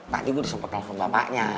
tadi gua disempet telfon bapaknya